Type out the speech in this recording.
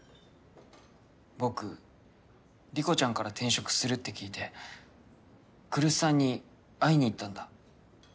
僕莉子ちゃんから転職するって聞いて来栖さんに会いにいったんだ。